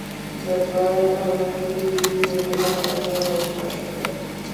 د باد اواز د دوی زړونه ارامه او خوښ کړل.